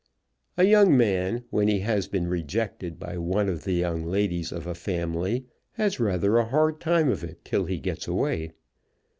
A young man when he has been rejected by one of the young ladies of a family has rather a hard time of it till he gets away.